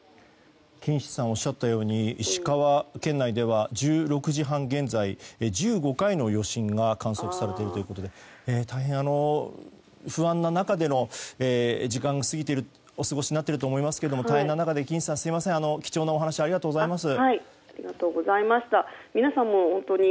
金七さんがおっしゃったように石川県内では１６時半現在１５回の余震が観測されているということで大変不安な中での時間をお過ごしになっていると思いますが、大変な中で金七さん、貴重なお話ありがとうございます。